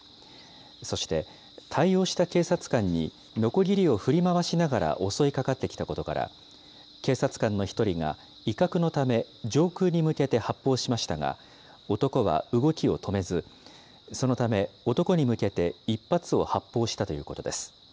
そして、対応した警察官にのこぎりを振り回しながら襲いかかってきたことから、警察官の１人が威嚇のため、上空に向けて発砲しましたが、男は動きを止めず、そのため、男に向けて１発を発砲したということです。